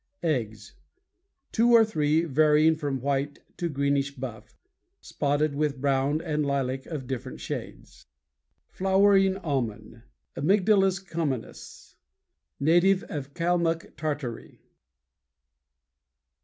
EGGS Two or three, varying from white to greenish buff, spotted with brown and lilac of different shades. Page 193. FLOWERING ALMOND Amygdalus communis. Native of Calmuck, Tartary.